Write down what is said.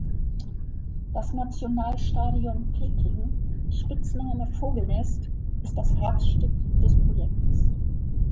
Das Nationalstadion Peking, Spitzname „Vogelnest“, ist das Herzstück des Projektes.